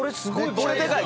これでかい！